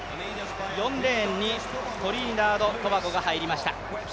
４レーンにトリニダード・トバゴが入りました。